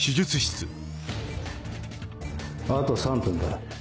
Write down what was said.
あと３分だ。